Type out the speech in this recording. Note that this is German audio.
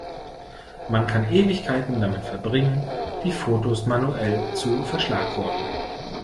Man kann Ewigkeiten damit verbringen, die Fotos manuell zu verschlagworten.